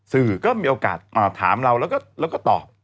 สื่อก็มีโอกาสถามเราแล้วก็ตอบ